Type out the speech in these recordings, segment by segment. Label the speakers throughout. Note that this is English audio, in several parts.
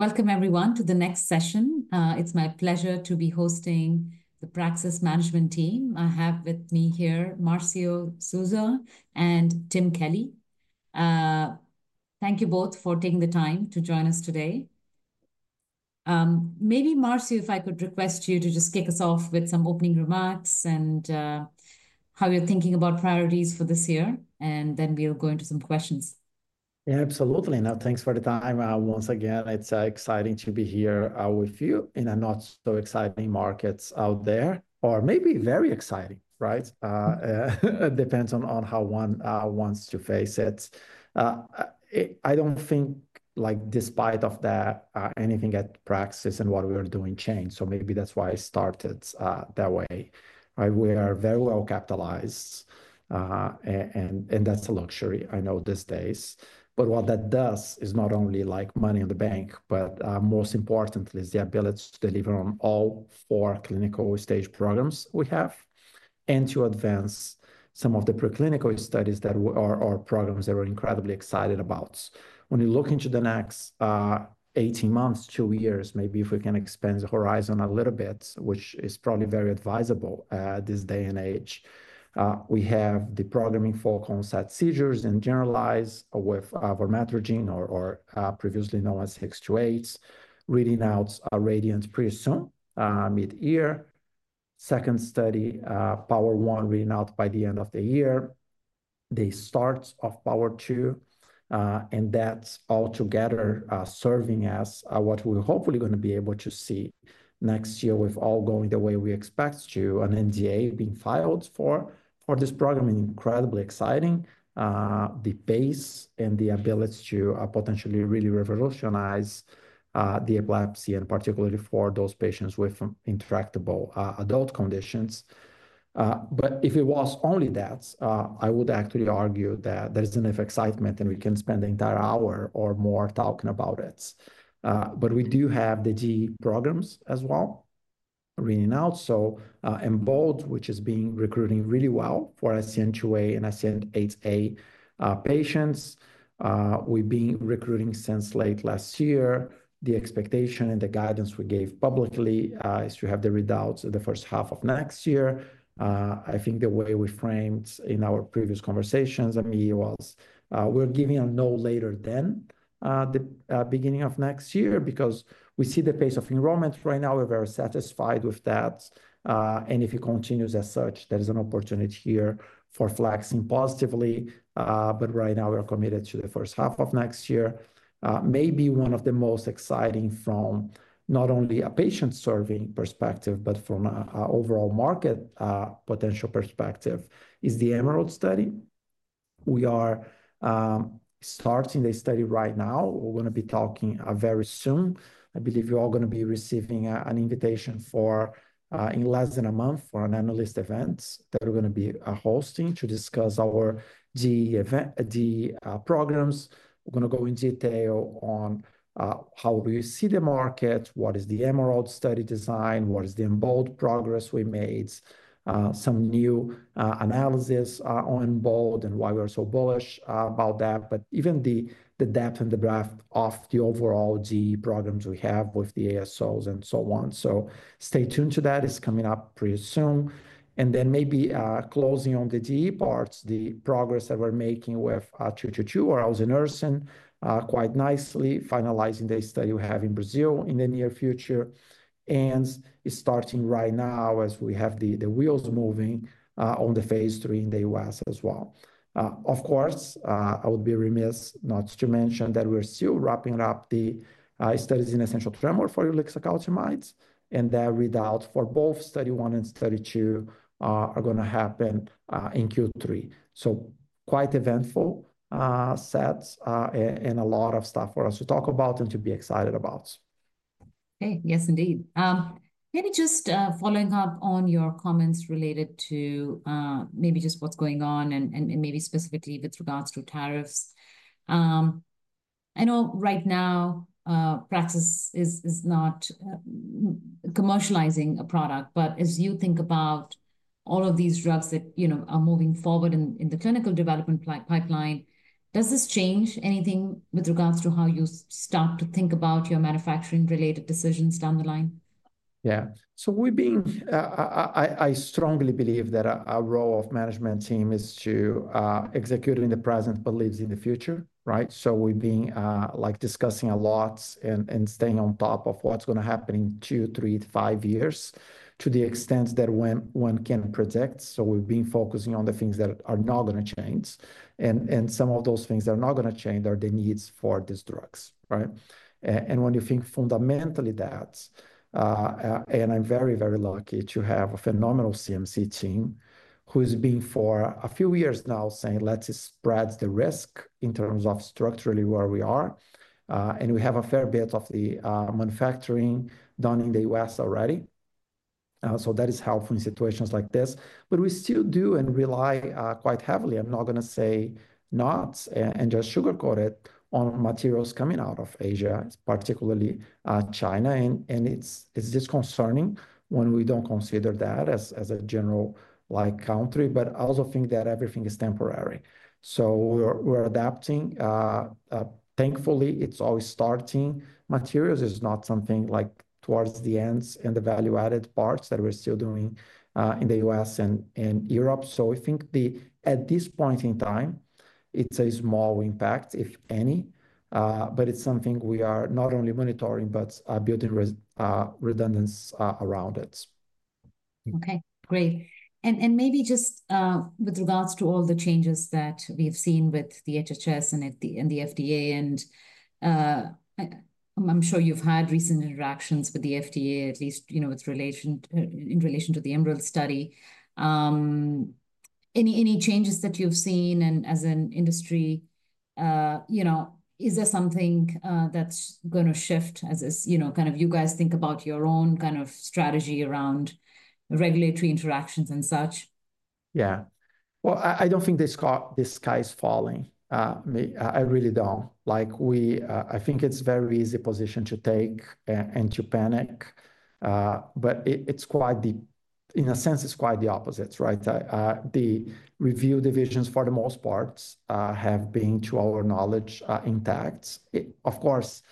Speaker 1: Welcome, everyone, to the next session. It's my pleasure to be hosting the Praxis Management Team. I have with me here Marcio Souza and Tim Kelly. Thank you both for taking the time to join us today. Maybe, Marcio, if I could request you to just kick us off with some opening remarks and how you're thinking about priorities for this year, and then we'll go into some questions.
Speaker 2: Yeah, absolutely. No, thanks for the time, once again. It's exciting to be here with you in a not-so-exciting market out there, or maybe very exciting, right? It depends on how one wants to face it. I don't think, like, despite that, anything at Praxis and what we are doing changed. Maybe that's why I started that way. We are very well capitalized, and that's a luxury, I know, these days. What that does is not only like money in the bank, but most importantly, it's the ability to deliver on all four clinical stage programs we have and to advance some of the preclinical studies that are our programs that we're incredibly excited about. When you look into the next 18 months, two years, maybe if we can expand the horizon a little bit, which is probably very advisable at this day and age, we have the programming focal onset seizures and generalized with vormatrigine or previously known as 628, reading out RADIANT pretty soon, mid-year. Second study, POWER1 reading out by the end of the year, the start of POWER2, and that's all together serving as what we're hopefully going to be able to see next year with all going the way we expect to, an NDA being filed for this program and incredibly exciting, the pace and the ability to potentially really revolutionize the epilepsy, and particularly for those patients with intractable adult conditions. If it was only that, I would actually argue that there is enough excitement, and we can spend the entire hour or more talking about it. We do have the DEE programs as well reading out. EMBOLD, which is recruiting really well for SCN2A and SCN8A patients. We've been recruiting since late last year. The expectation and the guidance we gave publicly is to have the readouts in the first half of next year. I think the way we framed in our previous conversations, Amy, was we're giving a no later than the beginning of next year because we see the pace of enrollment right now. We're very satisfied with that. If it continues as such, there is an opportunity here for flexing positively. Right now, we are committed to the first half of next year. Maybe one of the most exciting from not only a patient-serving perspective, but from an overall market potential perspective is the EMERALD study. We are starting the study right now. We're going to be talking very soon. I believe you're all going to be receiving an invitation in less than a month for an analyst event that we're going to be hosting to discuss our DEE programs. We're going to go in detail on how we see the market, what is the EMERALD study design, what is the EMBOLD progress we made, some new analysis on EMBOLD, and why we're so bullish about that, but even the depth and the breadth of the overall DEE programs we have with the ASOs and so on. Stay tuned to that. It's coming up pretty soon. Maybe closing on the DEE parts, the progress that we're making with 222, where elsunersen quite nicely, finalizing the study we have in Brazil in the near future, and starting right now as we have the wheels moving on the phase III in the U.S. as well. Of course, I would be remiss not to mention that we're still wrapping up the studies in essential tremor for ulixacaltamides, and that readout for both Study 1 and Study 2 are going to happen in Q3. Quite eventful sets and a lot of stuff for us to talk about and to be excited about. Okay. Yes, indeed. Maybe just following up on your comments related to maybe just what's going on and maybe specifically with regards to tariffs. I know right now, Praxis is not commercializing a product, but as you think about all of these drugs that are moving forward in the clinical development pipeline, does this change anything with regards to how you start to think about your manufacturing-related decisions down the line? Yeah. I strongly believe that our role of management team is to execute in the present, but live in the future, right? We have been discussing a lot and staying on top of what's going to happen in two, three, five years to the extent that one can predict. We have been focusing on the things that are not going to change. Some of those things that are not going to change are the needs for these drugs, right? When you think fundamentally that, and I'm very, very lucky to have a phenomenal CMC team who has been for a few years now saying, let's spread the risk in terms of structurally where we are. We have a fair bit of the manufacturing done in the U.S. already. That is helpful in situations like this. We still do and rely quite heavily, I'm not going to say not, and just sugarcoat it on materials coming out of Asia, particularly China. It is disconcerting when we don't consider that as a general country, but I also think that everything is temporary. We're adapting. Thankfully, it's always starting materials. It's not something like towards the ends and the value-added parts that we're still doing in the U.S. and Europe. I think at this point in time, it's a small impact, if any, but it's something we are not only monitoring, but building redundancy around it. Okay, great. Maybe just with regards to all the changes that we've seen with the HHS and the FDA, and I'm sure you've had recent interactions with the FDA, at least in relation to the EMERALD study. Any changes that you've seen as an industry? Is there something that's going to shift as kind of you guys think about your own kind of strategy around regulatory interactions and such? Yeah. I do not think the sky is falling. I really do not. I think it is a very easy position to take and to panic. In a sense, it is quite the opposite, right? The review divisions for the most part have been, to our knowledge, intact. Of course,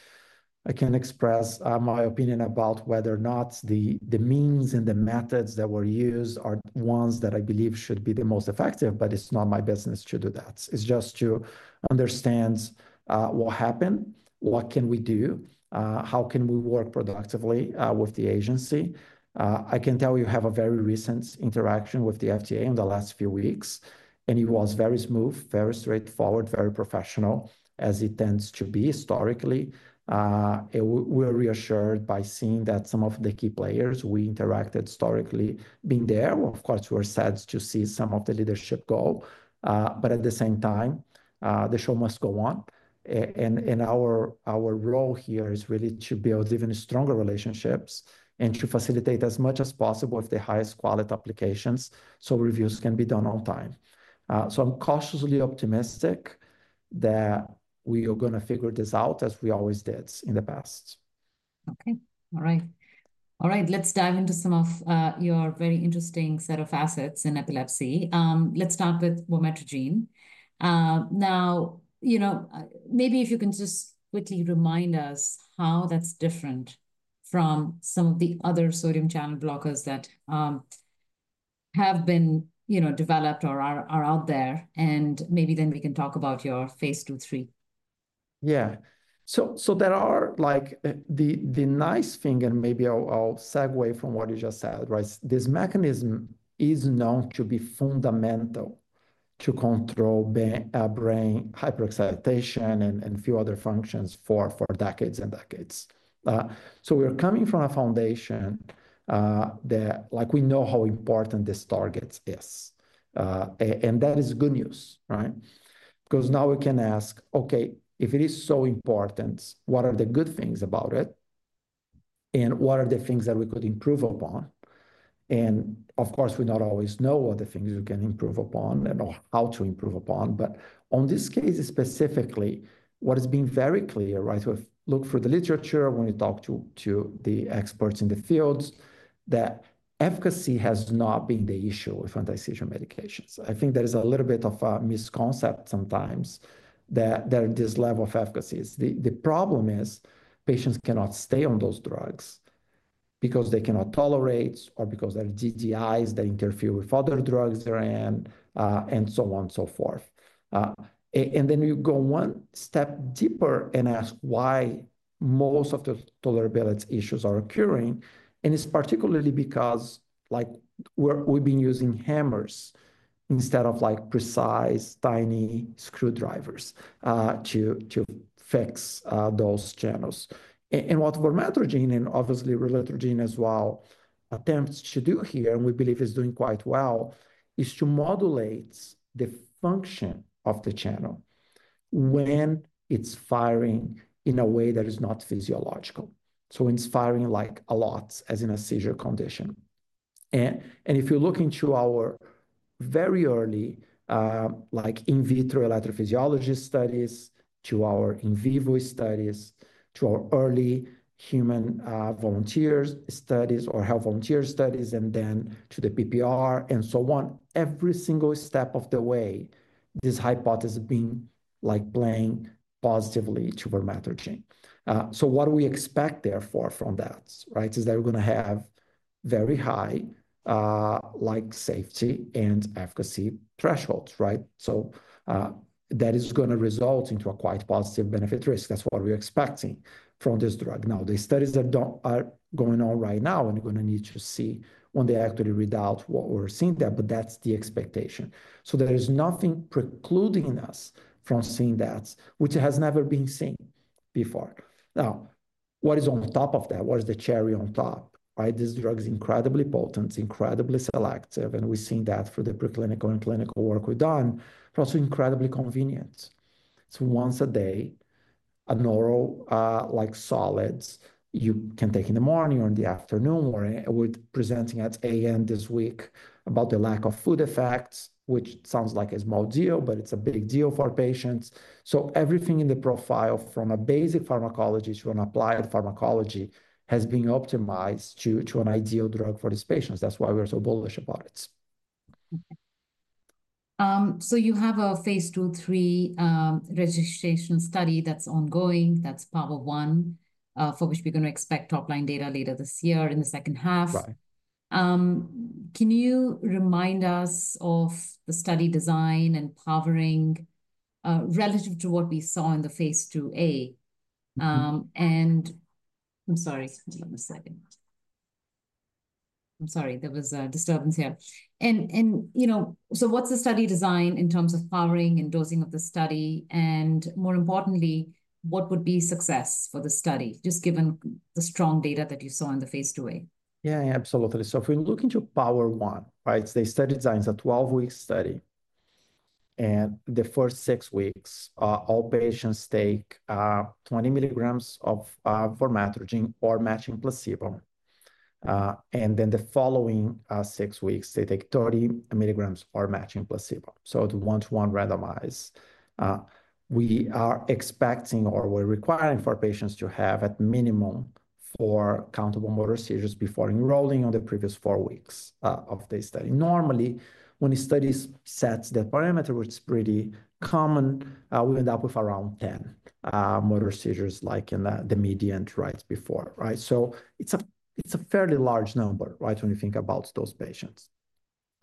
Speaker 2: I can express my opinion about whether or not the means and the methods that were used are ones that I believe should be the most effective, but it is not my business to do that. It is just to understand what happened, what can we do, how can we work productively with the agency. I can tell you I have a very recent interaction with the FDA in the last few weeks, and it was very smooth, very straightforward, very professional, as it tends to be historically. We are reassured by seeing that some of the key players we interacted historically being there. Of course, we were sad to see some of the leadership go. At the same time, the show must go on. Our role here is really to build even stronger relationships and to facilitate as much as possible with the highest quality applications so reviews can be done on time. I'm cautiously optimistic that we are going to figure this out as we always did in the past. Okay. All right. All right. Let's dive into some of your very interesting set of assets in epilepsy. Let's start with vormatrigine. Now, maybe if you can just quickly remind us how that's different from some of the other sodium channel blockers that have been developed or are out there, and maybe then we can talk about your phase II, phase III. Yeah. There are the nice thing, and maybe I'll segue from what you just said, right? This mechanism is known to be fundamental to control brain hyper-excitation and a few other functions for decades and decades. We're coming from a foundation that we know how important this target is. That is good news, right? Because now we can ask, okay, if it is so important, what are the good things about it? What are the things that we could improve upon? Of course, we don't always know what the things we can improve upon and how to improve upon. On this case specifically, what has been very clear, right? We've looked through the literature when we talk to the experts in the fields that efficacy has not been the issue with anti-seizure medications. I think there is a little bit of a misconcept sometimes that there is this level of efficacy. The problem is patients cannot stay on those drugs because they cannot tolerate or because there are DDIs that interfere with other drugs therein and so on and so forth. You go one step deeper and ask why most of the tolerability issues are occurring. It is particularly because we've been using hammers instead of precise tiny screwdrivers to fix those channels. What vormatrigine and obviously relutrigine as well attempts to do here, and we believe it's doing quite well, is to modulate the function of the channel when it's firing in a way that is not physiological. When it's firing like a lot as in a seizure condition. If you look into our very early in vitro electrophysiology studies, to our in vivo studies, to our early human volunteer studies or health volunteer studies, and then to the PPR and so on, every single step of the way, this hypothesis has been playing positively to vormatrigine. What do we expect therefore from that, right? We are going to have very high safety and efficacy thresholds, right? That is going to result in a quite positive benefit risk. That is what we are expecting from this drug. The studies that are going on right now, you are going to need to see when they actually read out what we are seeing there, but that is the expectation. There is nothing precluding us from seeing that, which has never been seen before. What is on top of that? What is the cherry on top, right? This drug is incredibly potent, incredibly selective, and we've seen that through the preclinical and clinical work we've done. It's also incredibly convenient. It's once a day, an oral solid you can take in the morning or in the afternoon. We're presenting at AAN this week about the lack of food effects, which sounds like a small deal, but it's a big deal for patients. Everything in the profile from a basic pharmacology to an applied pharmacology has been optimized to an ideal drug for these patients. That's why we're so bullish about it. You have a phase II, phase III registration study that's ongoing, that's POWER1, for which we're going to expect top-line data later this year in the second half. Can you remind us of the study design and powering relative to what we saw in the phase II-A? I'm sorry, give me a second. I'm sorry, there was a disturbance here. What's the study design in terms of powering and dosing of the study? More importantly, what would be success for the study, just given the strong data that you saw in the phase II-A? Yeah, absolutely. If we look into POWER1, right, the study design is a 12-week study. The first six weeks, all patients take 20 mg of vormatrigine or matching placebo. The following six weeks, they take 30 mg or matching placebo. It is one-to-one randomized. We are expecting or we're requiring for patients to have at minimum four countable motor seizures before enrolling on the previous four weeks of the study. Normally, when a study sets the parameter, which is pretty common, we end up with around 10 motor seizures like in the median right before, right? It is a fairly large number, right, when you think about those patients.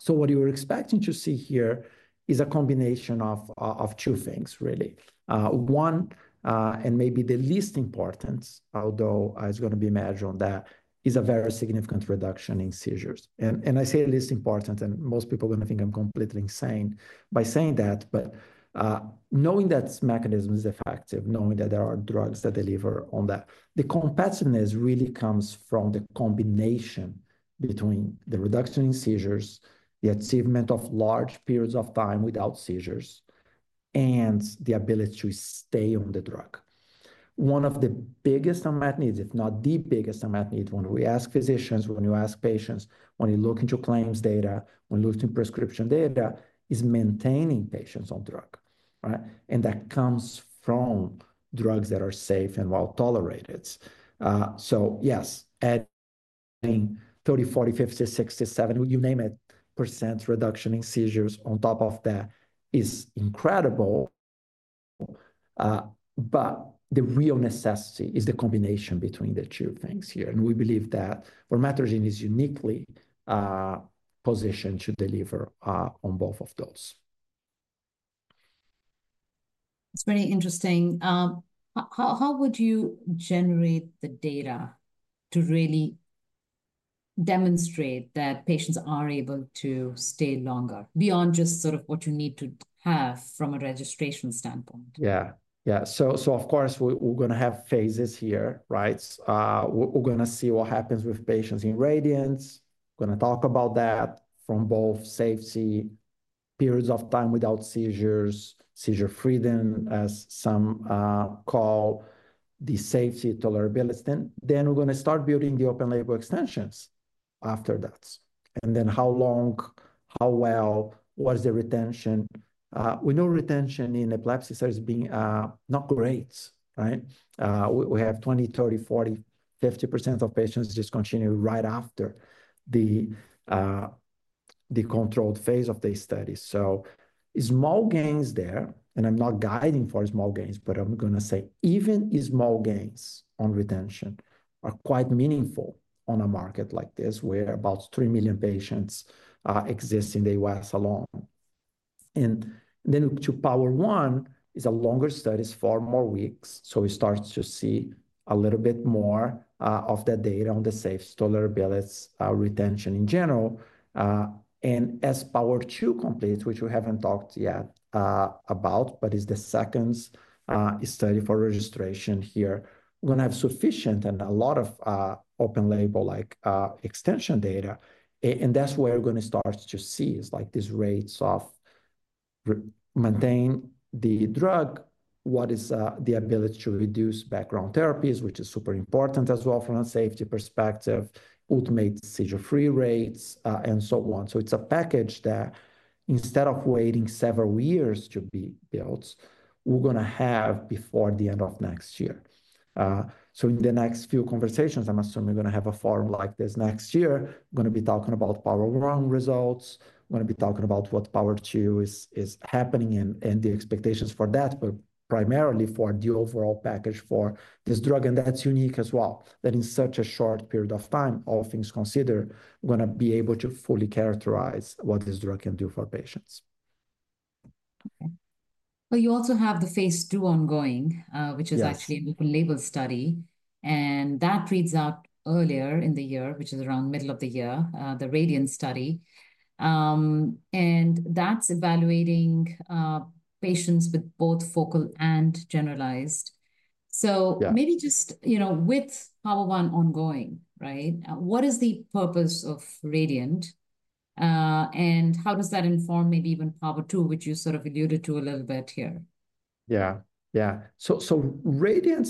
Speaker 2: What you're expecting to see here is a combination of two things, really. One, and maybe the least important, although it's going to be measured on that, is a very significant reduction in seizures. I say at least important, and most people are going to think I'm completely insane by saying that, but knowing that mechanism is effective, knowing that there are drugs that deliver on that, the competitiveness really comes from the combination between the reduction in seizures, the achievement of large periods of time without seizures, and the ability to stay on the drug. One of the biggest unmet needs, if not the biggest unmet need when we ask physicians, when you ask patients, when you look into claims data, when you look into prescription data, is maintaining patients on drug, right? That comes from drugs that are safe and well tolerated. Yes, adding 30%, 40%, 50%, 60%, 70%, you name it, percent reduction in seizures on top of that is incredible. The real necessity is the combination between the two things here. We believe that vormatrigine is uniquely positioned to deliver on both of those. It's very interesting. How would you generate the data to really demonstrate that patients are able to stay longer beyond just sort of what you need to have from a registration standpoint? Yeah, yeah. Of course, we're going to have phases here, right? We're going to see what happens with patients in RADIANT. We're going to talk about that from both safety periods of time without seizures, seizure freedom as some call, the safety tolerability. We're going to start building the open label extensions after that. How long, how well, what is the retention? We know retention in epilepsy studies has been not great, right? We have 20%, 30%, 40%, 50% of patients discontinue right after the controlled phase of these studies. Small gains there, and I'm not guiding for small gains, but I'm going to say even small gains on retention are quite meaningful on a market like this where about 3 million patients exist in the U.S. alone. To POWER1 is a longer study for more weeks. We start to see a little bit more of that data on the safety, tolerability, retention in general. As POWER2 completes, which we have not talked yet about, but is the second study for registration here, we are going to have sufficient and a lot of open-label extension data. That is where we are going to start to see these rates of maintaining the drug, what is the ability to reduce background therapies, which is super important as well from a safety perspective, ultimate seizure-free rates, and so on. It is a package that instead of waiting several years to be built, we are going to have before the end of next year. In the next few conversations, I am assuming we are going to have a forum like this next year. We are going to be talking about POWER1 results. We're going to be talking about what POWER2 is happening and the expectations for that, but primarily for the overall package for this drug. That's unique as well that in such a short period of time, all things considered, we're going to be able to fully characterize what this drug can do for patients. Okay. You also have the phase two ongoing, which is actually an open label study. That reads out earlier in the year, which is around middle of the year, the RADIANT study. That is evaluating patients with both focal and generalized. Maybe just with POWER1 ongoing, right? What is the purpose of RADIANT? How does that inform maybe even POWER2, which you sort of alluded to a little bit here? Yeah, yeah. RADIANT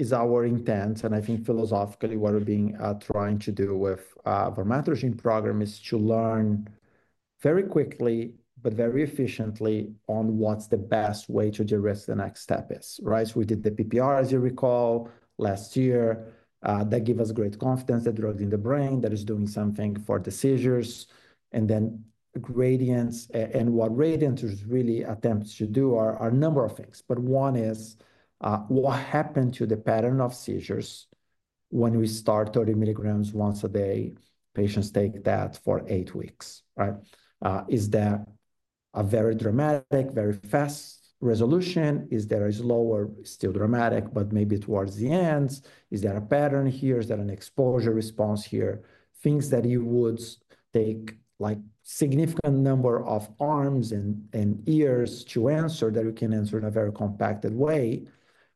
Speaker 2: is our intent. I think philosophically what we've been trying to do with the vormatrigine program is to learn very quickly, but very efficiently on what's the best way to address the next step is, right? We did the PPR, as you recall, last year. That gave us great confidence that drug's in the brain, that it's doing something for the seizures. RADIANT and what RADIANT is really attempts to do are a number of things. One is what happened to the pattern of seizures when we start 30 mg once a day. Patients take that for eight weeks, right? Is that a very dramatic, very fast resolution? Is there a slower, still dramatic, but maybe towards the end? Is there a pattern here? Is there an exposure response here? Things that you would take like a significant number of arms and ears to answer that you can answer in a very compacted way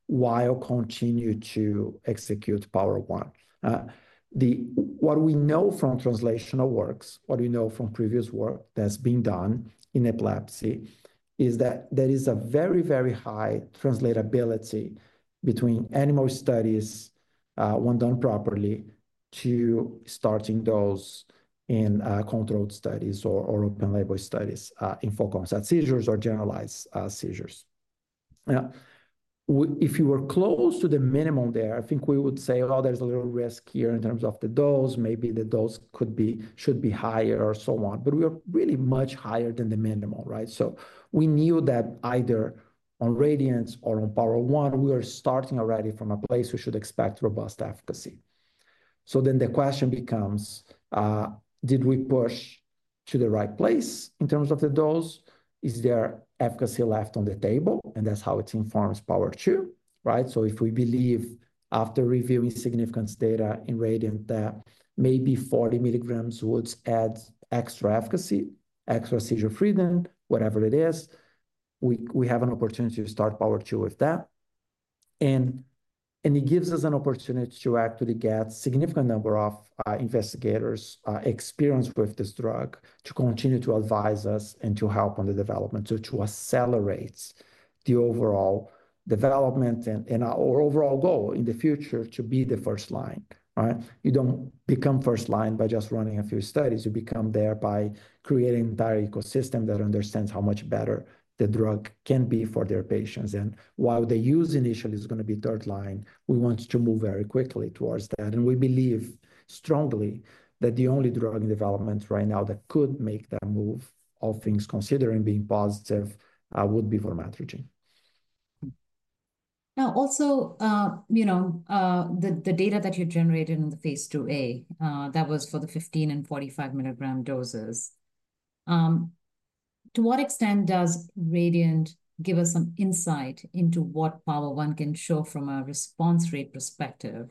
Speaker 2: while continue to execute POWER1. What we know from translational works, what we know from previous work that's been done in epilepsy is that there is a very, very high translatability between animal studies, when done properly, to starting those in controlled studies or open-label studies in focus at seizures or generalized seizures. Now, if you were close to the minimum there, I think we would say, well, there's a little risk here in terms of the dose. Maybe the dose should be higher or so on. But we are really much higher than the minimum, right? So we knew that either on RADIANT or on POWER1, we were starting already from a place we should expect robust efficacy. The question becomes, did we push to the right place in terms of the dose? Is there efficacy left on the table? That is how it informs POWER2, right? If we believe after reviewing significance data in RADIANT that maybe 40 mg would add extra efficacy, extra seizure freedom, whatever it is, we have an opportunity to start POWER2 with that. It gives us an opportunity to actually get a significant number of investigators experienced with this drug to continue to advise us and to help on the development to accelerate the overall development and our overall goal in the future to be the first line, right? You do not become first line by just running a few studies. You become there by creating an entire ecosystem that understands how much better the drug can be for their patients. While the use initially is going to be third line, we want to move very quickly towards that. We believe strongly that the only drug in development right now that could make that move, if things considering being positive, would be vormatrigine. Now, also the data that you generated in the phase II-A, that was for the 15 mg and 45 mg doses. To what extent does RADIANT give us some insight into what POWER1 can show from a response rate perspective?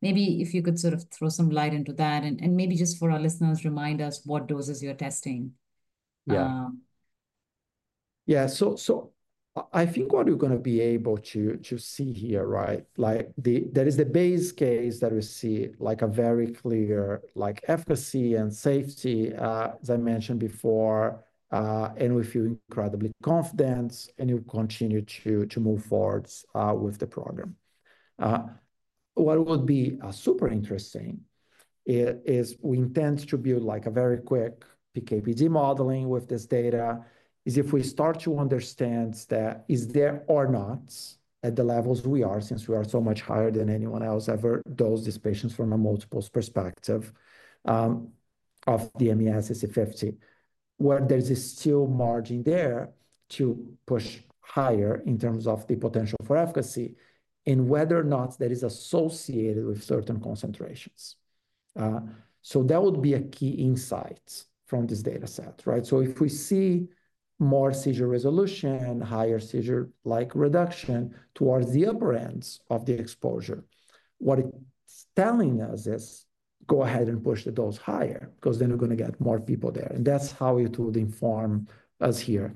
Speaker 2: Maybe if you could sort of throw some light into that and maybe just for our listeners, remind us what doses you're testing. Yeah. Yeah. I think what we're going to be able to see here, right? There is the base case that we see like a very clear efficacy and safety, as I mentioned before, and we feel incredibly confident and we'll continue to move forward with the program. What would be super interesting is we intend to build like a very quick PKPD modeling with this data is if we start to understand that is there or not at the levels we are, since we are so much higher than anyone else ever dosed these patients from a multiple perspective of the MES EC50, where there's still margin there to push higher in terms of the potential for efficacy and whether or not that is associated with certain concentrations. That would be a key insight from this data set, right? If we see more seizure resolution, higher seizure-like reduction towards the upper ends of the exposure, what it's telling us is go ahead and push the dose higher because then we're going to get more people there. That's how it would inform us here.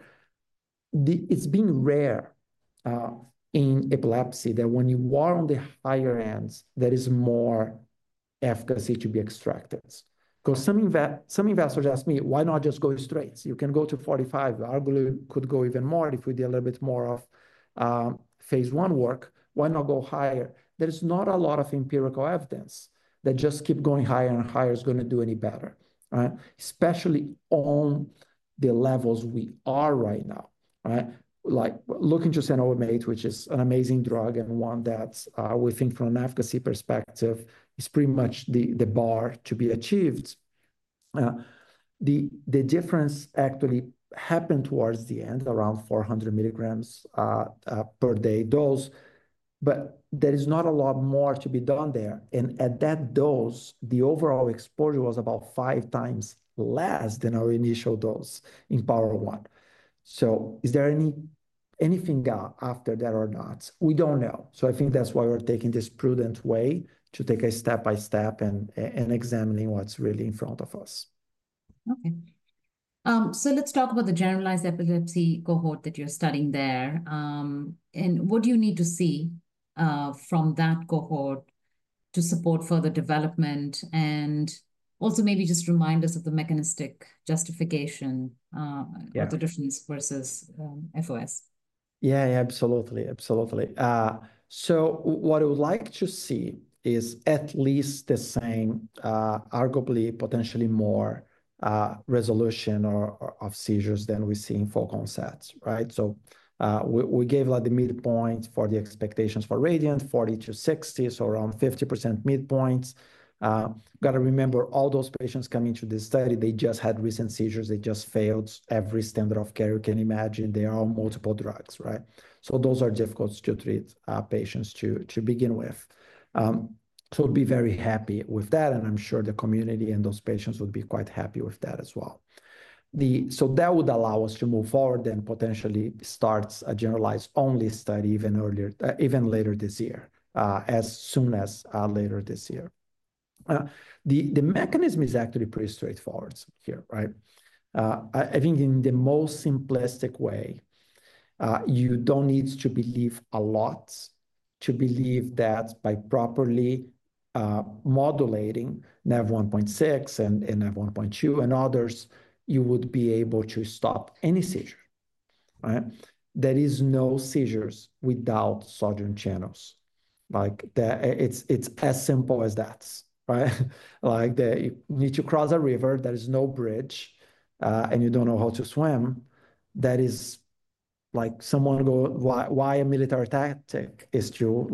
Speaker 2: It's been rare in epilepsy that when you are on the higher ends, there is more efficacy to be extracted. Some investors ask me, why not just go straight? You can go to 45. Arguably could go even more if we did a little bit more of phase I work. Why not go higher? There's not a lot of empirical evidence that just keep going higher and higher is going to do any better, right? Especially on the levels we are right now, right? Like looking to cenobamate, which is an amazing drug and one that we think from an efficacy perspective is pretty much the bar to be achieved. The difference actually happened towards the end, around 400 mg per day dose. There is not a lot more to be done there. At that dose, the overall exposure was about five times less than our initial dose in POWER1. Is there anything after that or not? We do not know. I think that is why we are taking this prudent way to take a step by step and examining what is really in front of us. Okay. Let's talk about the generalized epilepsy cohort that you're studying there. What do you need to see from that cohort to support further development and also maybe just remind us of the mechanistic justification of the difference versus FOS? Yeah, absolutely. Absolutely. What I would like to see is at least the same, arguably potentially more resolution of seizures than we see in focal sets, right? We gave like the midpoint for the expectations for RADIANT, 40%-60%, so around 50% midpoint. Got to remember all those patients coming to this study, they just had recent seizures. They just failed every standard of care you can imagine. They are on multiple drugs, right? Those are difficult to treat patients to begin with. We would be very happy with that. I am sure the community and those patients would be quite happy with that as well. That would allow us to move forward and potentially start a generalized only study even later this year, as soon as later this year. The mechanism is actually pretty straightforward here, right? I think in the most simplistic way, you don't need to believe a lot to believe that by properly modulating Nav1.6 and Nav1.2 and others, you would be able to stop any seizure, right? There are no seizures without sodium channels. It's as simple as that, right? Like you need to cross a river, there is no bridge, and you don't know how to swim. That is like someone goes, why a military tactic is to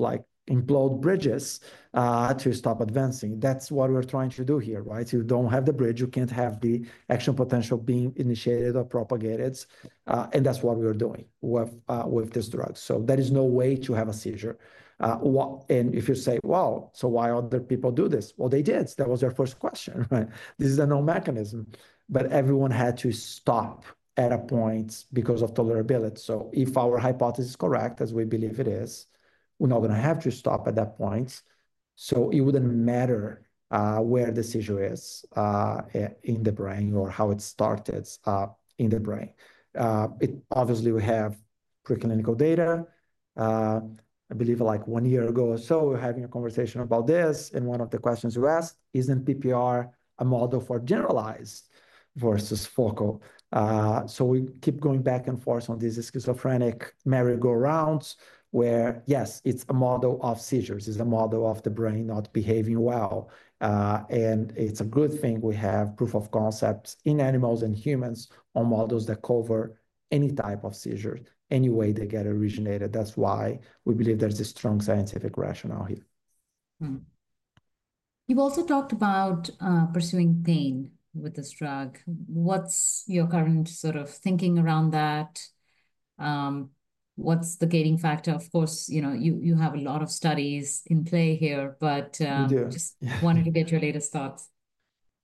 Speaker 2: implode bridges to stop advancing. That's what we're trying to do here, right? You don't have the bridge, you can't have the action potential being initiated or propagated. That is what we are doing with this drug. There is no way to have a seizure. If you say, well, so why other people do this? They did. That was their first question, right? This is a known mechanism, but everyone had to stop at a point because of tolerability. If our hypothesis is correct, as we believe it is, we're not going to have to stop at that point. It wouldn't matter where the seizure is in the brain or how it started in the brain. Obviously, we have preclinical data. I believe like one year ago or so, we're having a conversation about this. One of the questions you asked, isn't PPR a model for generalized versus focal? We keep going back and forth on these schizophrenic merry-go-rounds where, yes, it's a model of seizures. It's a model of the brain not behaving well. It's a good thing we have proof of concepts in animals and humans on models that cover any type of seizure, any way they get originated. That's why we believe there's a strong scientific rationale here. You've also talked about pursuing pain with this drug. What's your current sort of thinking around that? What's the gating factor? Of course, you have a lot of studies in play here, but just wanted to get your latest thoughts.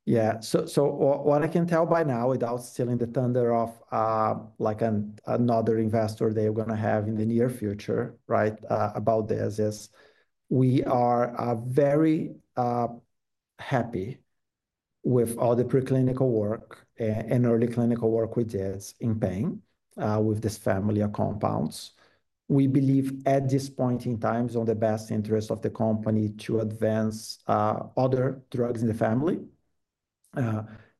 Speaker 2: Yeah. What I can tell by now, without stealing the thunder of like another investor they're going to have in the near future, right, about this is we are very happy with all the preclinical work and early clinical work we did in pain with this family of compounds. We believe at this point in time it is in the best interest of the company to advance other drugs in the family.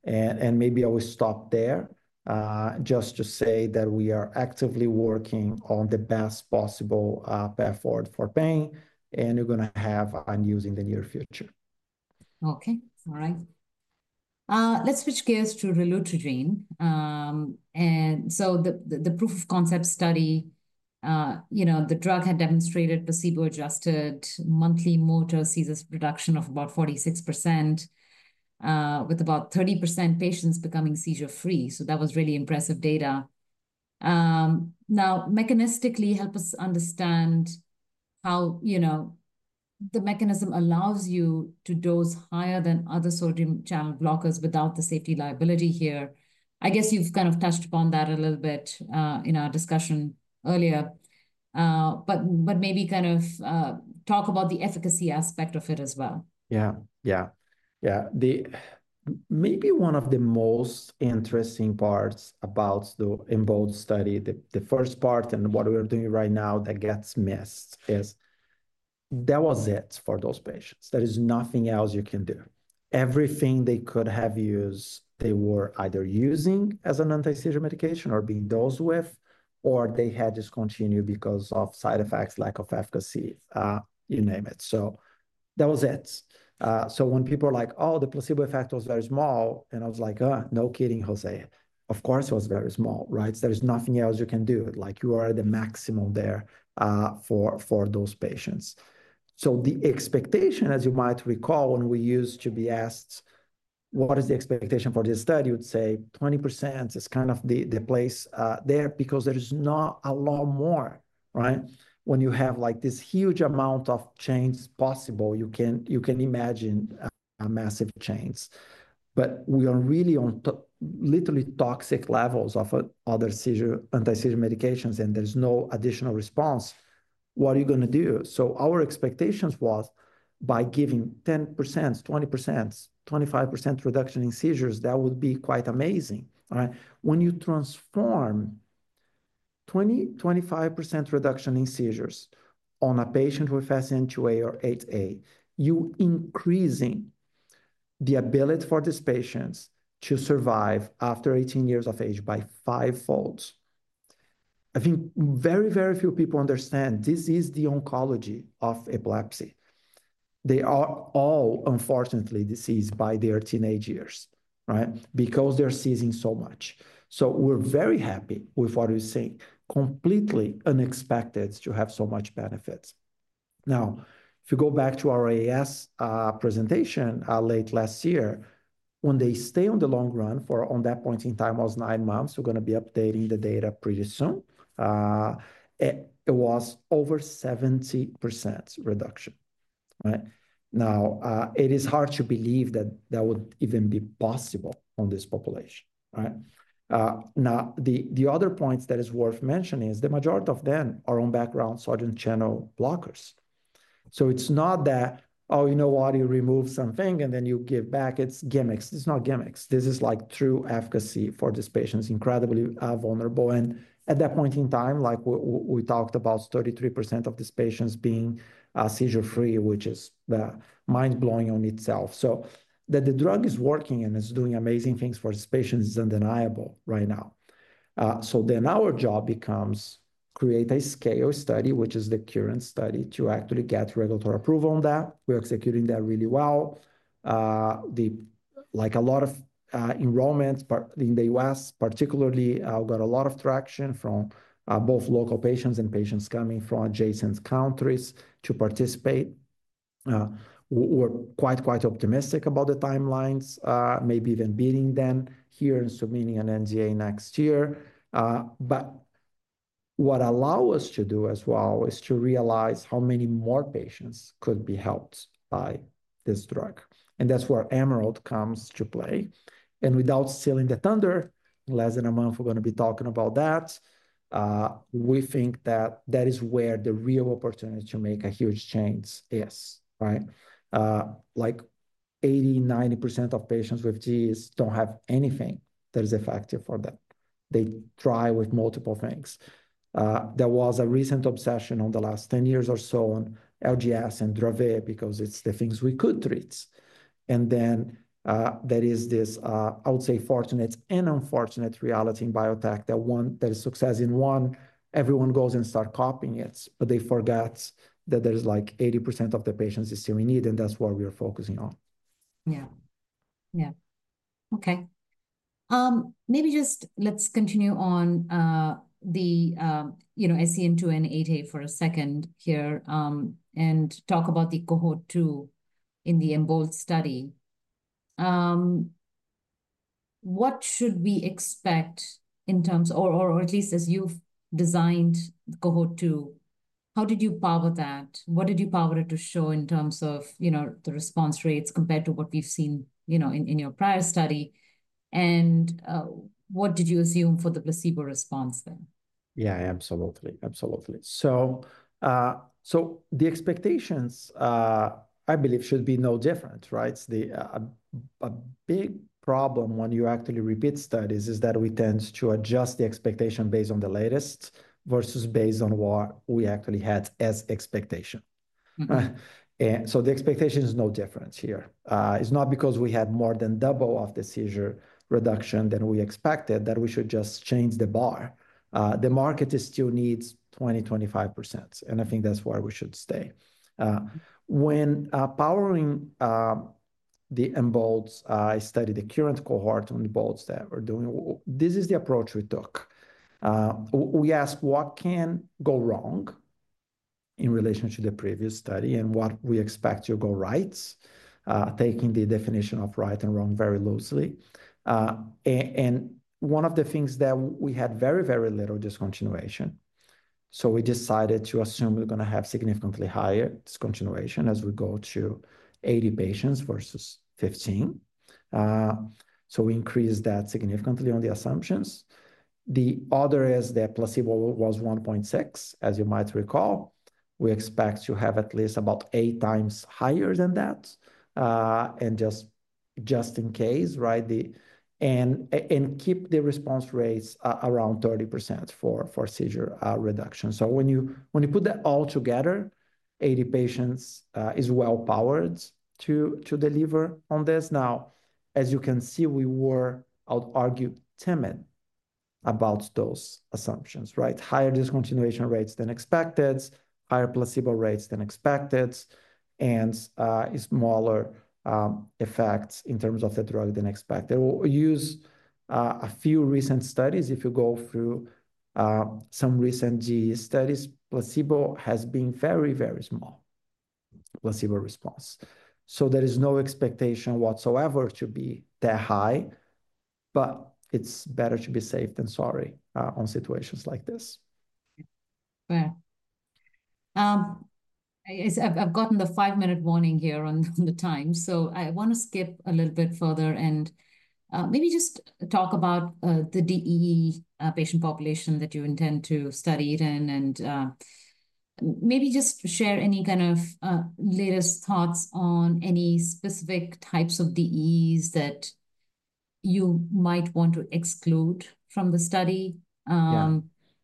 Speaker 2: Maybe I will stop there just to say that we are actively working on the best possible path forward for pain. We're going to have news in the near future. Okay. All right. Let's switch gears to relutrigine. And so the proof of concept study, the drug had demonstrated placebo-adjusted monthly motor seizures reduction of about 46% with about 30% patients becoming seizure-free. That was really impressive data. Now, mechanistically, help us understand how the mechanism allows you to dose higher than other sodium channel blockers without the safety liability here. I guess you've kind of touched upon that a little bit in our discussion earlier, but maybe kind of talk about the efficacy aspect of it as well. Yeah. Yeah. Yeah. Maybe one of the most interesting parts about the EMBOLD study, the first part and what we're doing right now that gets missed is that was it for those patients. There is nothing else you can do. Everything they could have used, they were either using as an anti-seizure medication or being dosed with, or they had to discontinue because of side effects, lack of efficacy, you name it. That was it. When people are like, oh, the placebo effect was very small, and I was like, no kidding, José. Of course, it was very small, right? There is nothing else you can do. Like you are at the maximum there for those patients. The expectation, as you might recall, when we used to be asked, what is the expectation for this study, you'd say 20% is kind of the place there because there is not a lot more, right? When you have like this huge amount of chains possible, you can imagine massive chains. We are really on literally toxic levels of other anti-seizure medications, and there's no additional response. What are you going to do? Our expectations were by giving 10%, 20%, 25% reduction in seizures, that would be quite amazing, right? When you transform 20%-25% reduction in seizures on a patient with SCN2A or 8A, you're increasing the ability for these patients to survive after 18 years of age by five folds. I think very, very few people understand this is the oncology of epilepsy. They are all, unfortunately, diseased by their teenage years, right? Because they're seizing so much. We are very happy with what we're seeing. Completely unexpected to have so much benefits. Now, if you go back to our AS presentation late last year, when they stay on the long run for on that point in time, it was nine months. We are going to be updating the data pretty soon. It was over 70% reduction, right? Now, it is hard to believe that that would even be possible on this population, right? The other point that is worth mentioning is the majority of them are on background sodium channel blockers. It is not that, oh, you know what, you remove something and then you give back. It's gimmicks. It's not gimmicks. This is like true efficacy for these patients, incredibly vulnerable. At that point in time, like we talked about, 33% of these patients being seizure-free, which is mind-blowing on itself. The drug is working and it is doing amazing things for these patients, which is undeniable right now. Our job becomes to create a scale study, which is the current study to actually get regulatory approval on that. We are executing that really well. Like a lot of enrollments in the U.S., particularly, we got a lot of traction from both local patients and patients coming from adjacent countries to participate. We are quite, quite optimistic about the timelines, maybe even beating them here and submitting an NDA next year. What allows us to do as well is to realize how many more patients could be helped by this drug. That is where EMERALD comes to play. Without stealing the thunder, less than a month, we're going to be talking about that. We think that that is where the real opportunity to make a huge change is, right? Like 80%, 90% of patients with disease don't have anything that is effective for them. They try with multiple things. There was a recent obsession in the last 10 years or so on LGS and Dravet because it's the things we could treat. There is this, I would say, fortunate and unfortunate reality in biotech that one that is success in one, everyone goes and starts copying it, but they forget that there's like 80% of the patients still we need, and that's what we are focusing on. Yeah. Yeah. Okay. Maybe just let's continue on the SCN2A and 8A for a second here and talk about the cohort two in the EMBOLD study. What should we expect in terms of, or at least as you've designed the cohort two, how did you power that? What did you power it to show in terms of the response rates compared to what we've seen in your prior study? And what did you assume for the placebo response then? Yeah, absolutely. Absolutely. The expectations, I believe, should be no different, right? A big problem when you actually repeat studies is that we tend to adjust the expectation based on the latest versus based on what we actually had as expectation. The expectation is no different here. It's not because we had more than double of the seizure reduction than we expected that we should just change the bar. The market still needs 20%, 25%. I think that's where we should stay. When powering the involved, I studied the current cohort on the EMBOLD that we're doing. This is the approach we took. We asked, what can go wrong in relation to the previous study and what we expect to go right, taking the definition of right and wrong very loosely. One of the things is that we had very, very little discontinuation. We decided to assume we're going to have significantly higher discontinuation as we go to 80 patients versus 15. We increased that significantly on the assumptions. The other is that placebo was 1.6, as you might recall. We expect to have at least about eight times higher than that. Just in case, right? Keep the response rates around 30% for seizure reduction. When you put that all together, 80 patients is well powered to deliver on this. As you can see, I would argue, we were timid about those assumptions, right? Higher discontinuation rates than expected, higher placebo rates than expected, and smaller effects in terms of the drug than expected. We'll use a few recent studies. If you go through some recent disease studies, placebo has been very, very small placebo response. There is no expectation whatsoever to be that high, but it's better to be safe than sorry on situations like this. Fair. I've gotten the five-minute warning here on the time. I want to skip a little bit further and maybe just talk about the DEE patient population that you intend to study it in and maybe just share any kind of latest thoughts on any specific types of DEEs that you might want to exclude from the study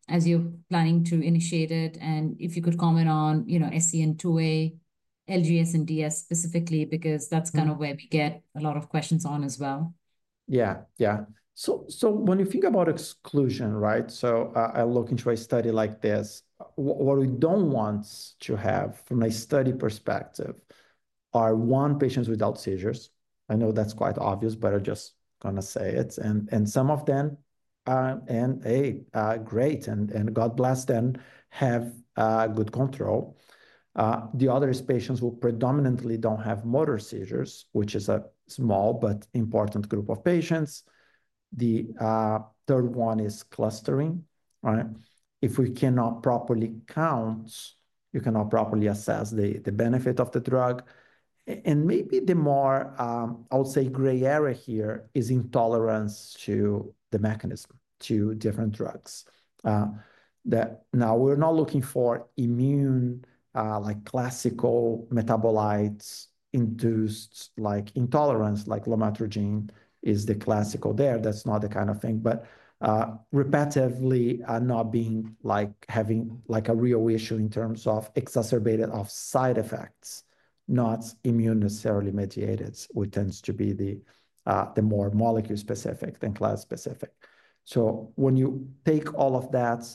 Speaker 2: as you're planning to initiate it. If you could comment on SCN2A, LGS, and DS specifically because that's kind of where we get a lot of questions on as well. Yeah. Yeah. When you think about exclusion, right? I look into a study like this. What we don't want to have from a study perspective are one patient without seizures. I know that's quite obvious, but I'm just going to say it. And some of them, and hey, great, and God bless them, have good control. The other is patients who predominantly don't have motor seizures, which is a small but important group of patients. The third one is clustering, right? If we cannot properly count, you cannot properly assess the benefit of the drug. Maybe the more, I would say, gray area here is intolerance to the mechanism to different drugs. Now, we're not looking for immune like classical metabolites induced like intolerance like lamotrigine is the classical there. That's not the kind of thing. Repetitively not being like having like a real issue in terms of exacerbated of side effects, not immune necessarily mediated, which tends to be the more molecule specific than class specific. When you take all of that,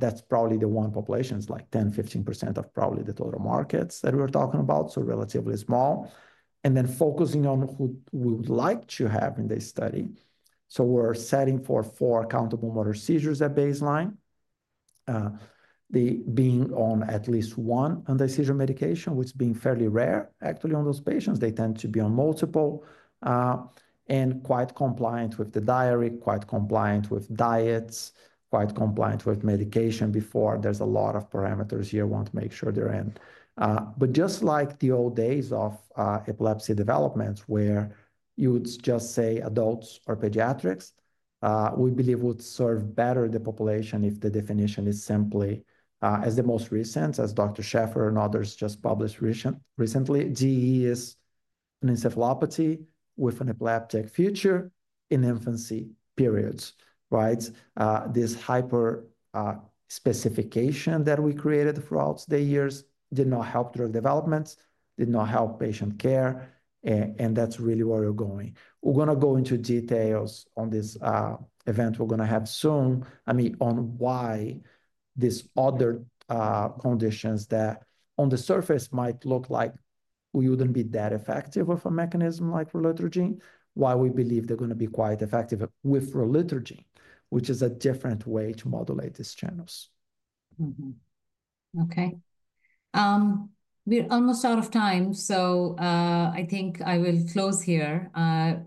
Speaker 2: that's probably the one population is like 10%, 15% of probably the total markets that we're talking about. Relatively small. Focusing on who we would like to have in this study. We're setting for four accountable motor seizures at baseline. Being on at least one anti-seizure medication, which is being fairly rare actually on those patients. They tend to be on multiple and quite compliant with the diary, quite compliant with diets, quite compliant with medication before. There's a lot of parameters here. I want to make sure they're in. Just like the old days of epilepsy developments where you would just say adults or pediatrics, we believe would serve better the population if the definition is simply as the most recent as Dr. Scheffer and others just published recently, DE is an encephalopathy with an epileptic future in infancy periods, right? This hyper specification that we created throughout the years did not help drug development, did not help patient care. That's really where we're going. We're going to go into details on this event we're going to have soon, I mean, on why these other conditions that on the surface might look like we wouldn't be that effective of a mechanism like relutrigine, why we believe they're going to be quite effective with relutrigine, which is a different way to modulate these channels. Okay. We're almost out of time. I think I will close here.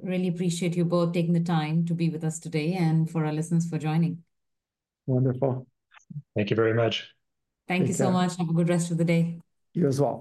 Speaker 2: Really appreciate you both taking the time to be with us today and for our listeners for joining. Wonderful. Thank you very much. Thank you so much. Have a good rest of the day. You as well.